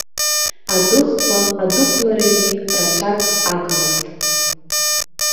Адәыӷба адәықәларагьы рацәак агмызт.